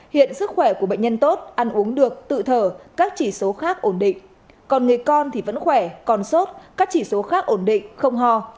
hiện sức khỏe của bệnh nhân tốt ăn uống được tự thở các chỉ số khác ổn định còn người con thì vẫn khỏe còn sốt các chỉ số khác ổn định không ho